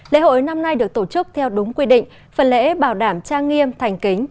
lễ hội năm nay được tổ chức theo đúng quy định phần lễ bảo đảm trang nghiêm thành kính